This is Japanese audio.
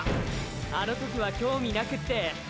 あの時は興味なくって。